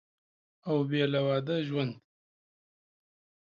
او بېله واده ژوند